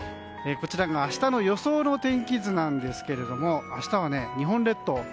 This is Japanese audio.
こちらが明日の予想の天気図なんですけれども明日は日本列島